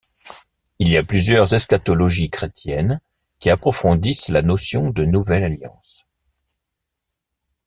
Il y a plusieurs eschatologies Chrétiennes qui approfondissent la notion de Nouvelle Alliance.